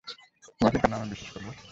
তোমাকে কেন আমি বিশ্বাস করব?